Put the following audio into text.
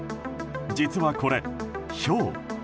実はこれ、ひょう。